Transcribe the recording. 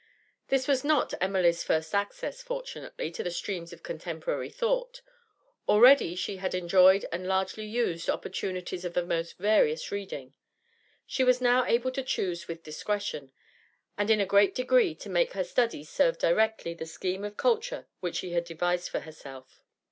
This was not Emily's first access, fortunately, to the streams of contemporary thought; already she had enjoyed and largely used opportunities of the most various reading. She was able now to choose with discretion, and in a great degree to make her study serve directly the scheme of culture which she had devised for herself.